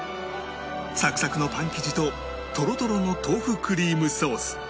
サクサクのパン生地ととろとろの豆腐クリームソース